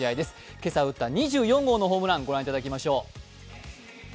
今朝、打った２４号のホームランご覧いただきましょう。